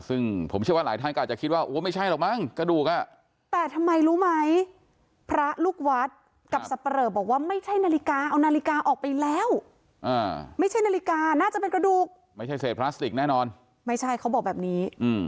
ซึ่งผมเชื่อว่าหลายท่านก็อาจจะคิดว่าโอ้ไม่ใช่หรอกมั้งกระดูกอ่ะแต่ทำไมรู้ไหมพระลูกวัดกับสับปะเหลอบอกว่าไม่ใช่นาฬิกาเอานาฬิกาออกไปแล้วไม่ใช่นาฬิกาน่าจะเป็นกระดูกไม่ใช่เศษพลาสติกแน่นอนไม่ใช่เขาบอกแบบนี้